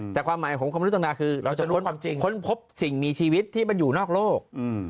แต่ความหมายของความรู้จังดาคือเราจะค้นพบสิ่งมีชีวิตที่มันอยู่นอกโลก